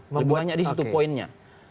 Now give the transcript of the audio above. lebih banyak di situ poinnya